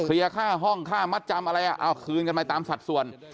ค่าห้องค่ามัดจำอะไรเอาคืนกันไปตามสัดส่วน